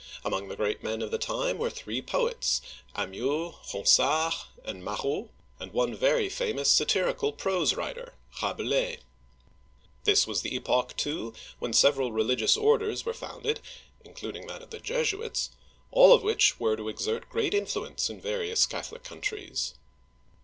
Among the great men of the time were three poets (Amyot, Ronsard, and Marot), and one very famous satir ical prose writer (Rabelais). This was the epoch, too, when several religious orders were founded, — including that of the Jesuits, — all of which were to exert great influence in various Catholic countries.